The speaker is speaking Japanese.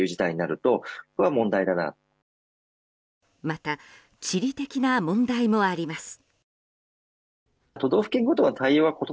また、地理的な問題もあります。